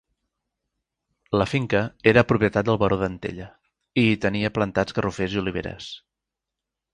La finca era propietat del Baró d'Antella, i hi tenia plantats garrofers i oliveres.